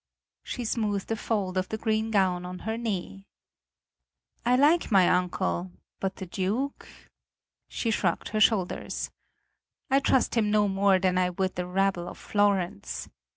She smoothed a fold of the green gown on her knee. "I like my uncle, but the Duke " she shrugged her shoulders. "I trust him no more than I would the rabble of Florence.